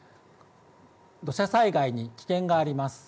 土砂災害に危険があります。